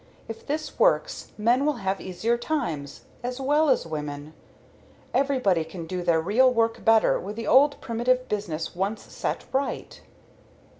If this works, men will have easier times, as well as women. Everybody can do their real work better with this old primitive business once set right."